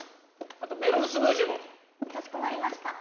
あとメロンスムージーもかしこまりました